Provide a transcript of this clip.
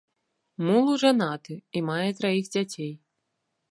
Мулу жанаты і мае траіх дзяцей.